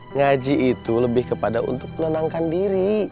ngaji itu lebih kepada untuk menenangkan diri